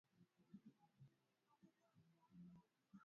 na wa wamwambie hapana bwana zuio